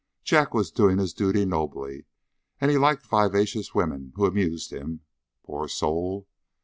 Jack was doing his duty nobly, and he liked vivacious women who amused him, poor soul!